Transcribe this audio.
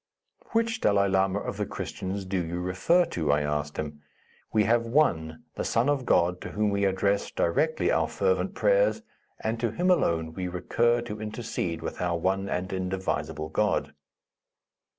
"Which Dalai Lama of the Christians do you refer to?" I asked him; "we have one, the Son of God, to whom we address directly our fervent prayers, and to him alone we recur to intercede with our One and Indivisible God."